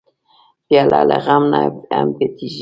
پیاله له غم نه هم پټېږي.